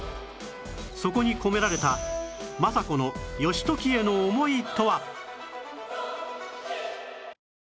そこに込められた政子の義時への思いとは